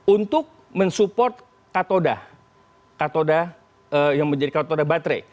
untuk mensupport katoda katoda yang menjadi katoda baterai